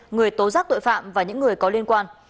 người tố giác tội phạm và những người có liên quan